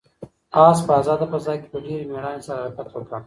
آس په آزاده فضا کې په ډېرې مېړانې سره حرکت وکړ.